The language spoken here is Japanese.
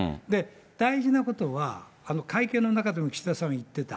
大事なことは、会見の中でも岸田さんは言ってた。